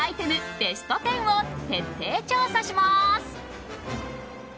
ベスト１０を徹底調査します。